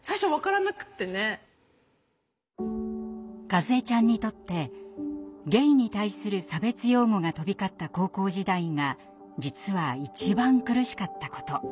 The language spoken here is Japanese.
かずえちゃんにとってゲイに対する差別用語が飛び交った高校時代が実は一番苦しかったこと。